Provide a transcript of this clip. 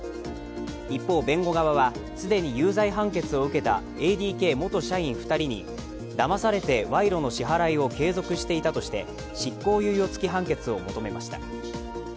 一方、弁護側は既に有罪判決を受けたＡＤＫ元社員２人にだまされて賄賂の支払いを継続していたとして執行猶予付き判決を求めました。